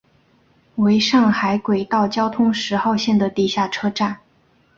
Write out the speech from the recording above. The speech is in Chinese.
为上海轨道交通十号线的地下车站。